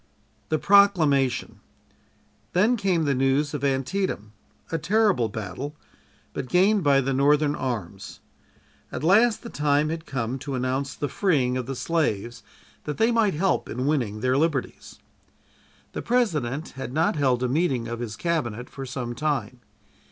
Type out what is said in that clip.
THE PROCLAMATION Then, came the news of Antietam, a terrible battle, but gained by the Northern arms. At last the time had come to announce the freeing of the slaves that they might help in winning their liberties. The President had not held a meeting of his Cabinet for some time.